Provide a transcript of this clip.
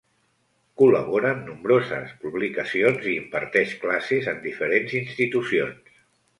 Col·labora en nombroses publicacions i imparteix classes en diferents institucions.